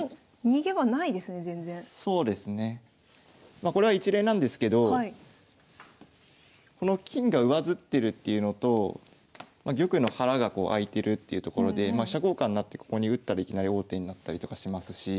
まこれは一例なんですけどこの金が上ずってるっていうのと玉の腹が開いてるっていうところでまあ飛車交換になってここに打ったらいきなり王手になったりとかしますし。